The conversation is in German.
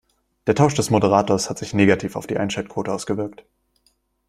Der Tausch des Moderators hat sich negativ auf die Einschaltquote ausgewirkt.